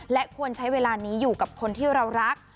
และควรใช้เวลานี้อยู่กับคนที่เรารัก